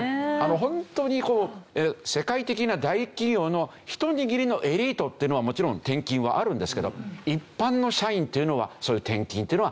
ホントに世界的な大企業の一握りのエリートっていうのはもちろん転勤はあるんですけど一般の社員っていうのはそういう転勤っていうのはない。